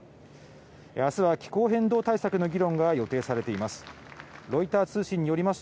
明日は、気候変動対策の議論が予定されています。